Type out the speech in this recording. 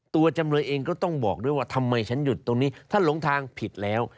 จำเลยเองก็ต้องบอกด้วยว่าทำไมฉันหยุดตรงนี้ถ้าหลงทางผิดแล้ว